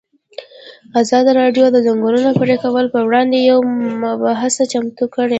ازادي راډیو د د ځنګلونو پرېکول پر وړاندې یوه مباحثه چمتو کړې.